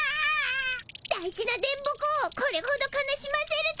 大事な電ボ子をこれほど悲しませるとは。